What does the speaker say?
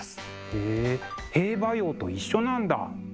へえ「兵馬俑」と一緒なんだ。